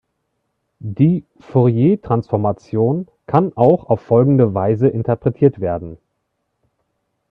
Die Fourier-Transformation kann auch auf folgende Weise interpretiert werden.